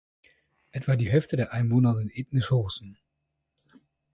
Etwa die Hälfte der Einwohner sind ethnische Russen.